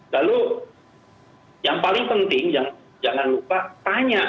lalu yang paling penting jangan lupa tanya